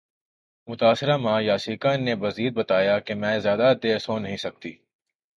متاثرہ ماں یاسیکا نے مزید بتایا کہ میں زیادہ دیر سو نہیں سکتی